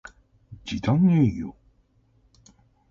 時短営業